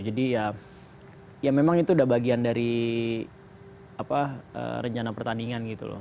jadi ya memang itu sudah bagian dari rencana pertandingan gitu loh